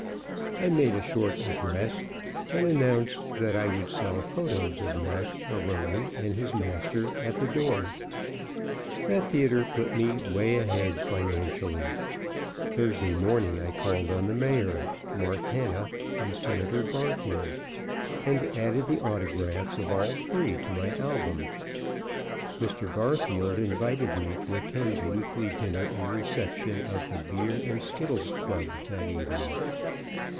I made a short address and announced that I would sell photos of Mac A'Rony and his master at the door. That theatre put me way ahead financially. Thursday morning I called on the Mayor, Mark Hanna and Senator Garfield, and added the autographs of all three to my album. Mr. Garfield invited me to attend the weekly dinner and reception of the "Beer and Skittles Club," that evening.